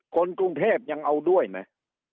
คนกรุงเทพยังเอาด้วยไหม